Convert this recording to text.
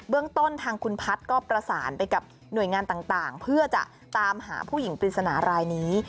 เรื่องต้นทางคุณพัฒน์ก็ประสานไปกับหน่วยงานต่างเพื่อจะตามหาผู้หญิงปริศนารายนี้